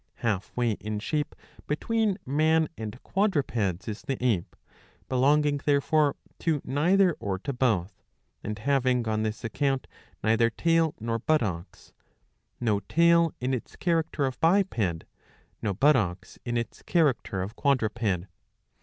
Half way in shape between man and quadrupeds is the ape,^^ belonging therefore to, neither or to both, and having on this account neither tail nor buttocks ; no tail in its character of biped, no buttocks in its character of quadruped.